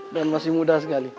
dan masih muda sekali